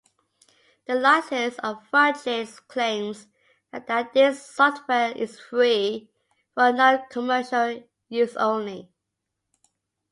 The license of Fudgets claims that this software is free for non-commercial use only.